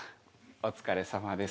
お疲れさまです。